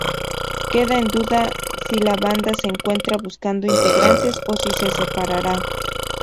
Queda en duda si la banda se encuentra buscando integrantes o si se separará.